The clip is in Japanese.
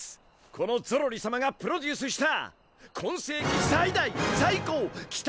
このゾロリさまがプロデュースした今世紀最大最高期待の新人ユニット